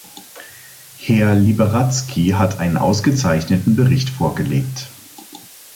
Herr Liberadzki hat einen ausgezeichneten Bericht vorgelegt.